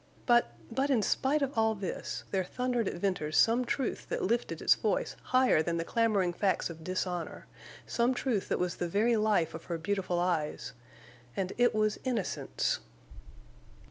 But—but in spite of all this—there thundered at Venters some truth that lifted its voice higher than the clamoring facts of dishonor, some truth that was the very life of her beautiful eyes; and it was innocence.